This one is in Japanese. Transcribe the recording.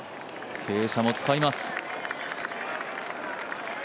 傾斜も使います。